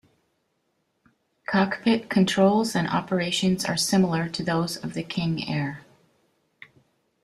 Cockpit controls and operations are similar to those of the King Air.